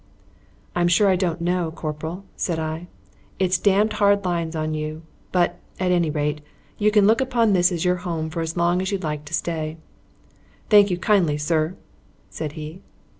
"I'm sure I don't know, Corporal," said I. "It's damned hard lines on you. But, at any rate, you can look upon this as your home for as long as you like to stay." "Thank you kindly, sir," said he.